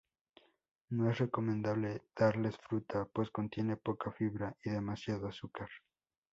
No es recomendable darles fruta, pues contiene poca fibra y demasiado azúcar.